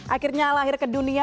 akhirnya lahir ke dunia